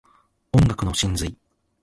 音楽の真髄